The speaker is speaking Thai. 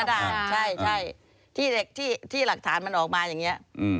ได้ใช่ที่หลักฐานมันออกมาอย่างนี้